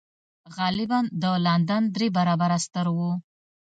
غالباً د لندن درې برابره ستر و.